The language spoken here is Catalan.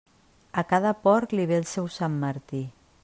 A cada porc li ve el seu Sant Martí.